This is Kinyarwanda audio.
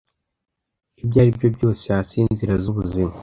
Ibyo ari byo byose hasi yinzira zubuzima